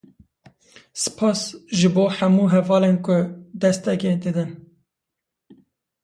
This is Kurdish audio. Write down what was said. Spas ji bo hemû hevalên ku destekê didin.